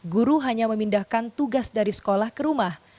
guru hanya memindahkan tugas dari sekolah ke rumah